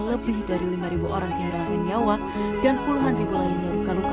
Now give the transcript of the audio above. lebih dari lima orang yang hilangin nyawa dan puluhan ribu lainnya luka luka